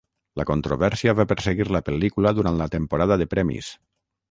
La controvèrsia va perseguir la pel·lícula durant la temporada de premis.